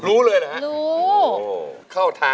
รู้เลยนะฮะ